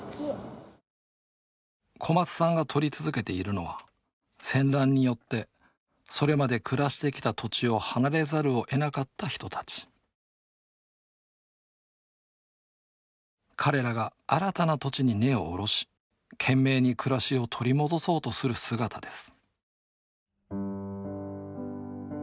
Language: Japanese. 小松さんが撮り続けているのは戦乱によってそれまで暮らしてきた土地を離れざるをえなかった人たち彼らが新たな土地に根を下ろし懸命に暮らしを取り戻そうとする姿です